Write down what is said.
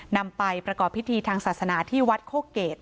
นำไปประกอบพิธีทางศาสนาที่วัดโคเกต